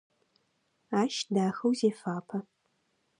Ащ дахэу зефапэ.